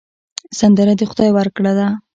سندره د خدای ورکړه ده